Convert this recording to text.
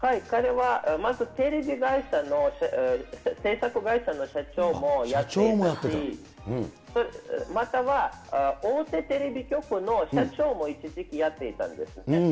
彼はまずテレビ会社の、制作会社の社長もやってたし、または、大手テレビ局の社長も一時期やっていたんですね。